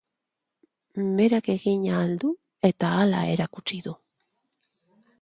Berak egin ahal du eta hala erakutsi du.